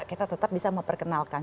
kita tetap bisa memperkenalkan